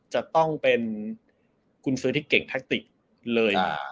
จะต้องเป็นกุญซื้อที่เก่งแท็กติกเลย